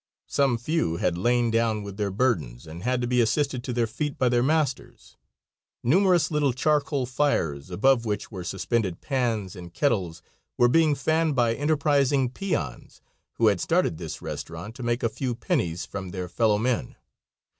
Some few had lain down with their burdens and had to be assisted to their feet by their masters. Numerous little charcoal fires, above which were suspended pans and kettles, were being fanned by enterprising peons, who had started this restaurant to make a few pennies from their fellowmen.